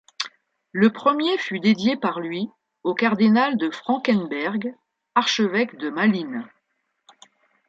Le premier fut dédié par lui au cardinal de Frankemberg, archevêque de Malines.